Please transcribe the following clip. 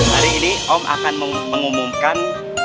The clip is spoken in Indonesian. hari ini om akan mengumumkan